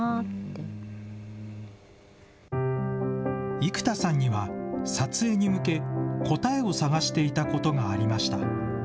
生田さんには、撮影に向け、答えを探していたことがありました。